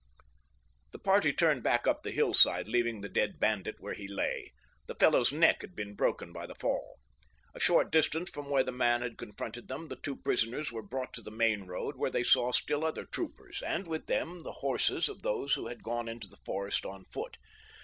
The party turned back up the hillside, leaving the dead bandit where he lay—the fellow's neck had been broken by the fall. A short distance from where the man had confronted them the two prisoners were brought to the main road where they saw still other troopers, and with them the horses of those who had gone into the forest on foot.